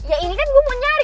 ya ini kan gue mau nyari